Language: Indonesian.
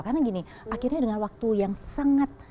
karena gini akhirnya dengan waktu yang sangat